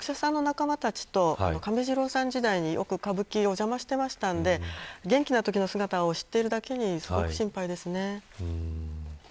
私も役者さんの仲間たちと亀治郎時代に歌舞伎にお邪魔してますので元気なときの姿を知っているだけにすごく心配ですね。